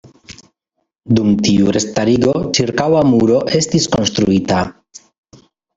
Dum tiu restarigo ĉirkaŭa muro estis konstruita.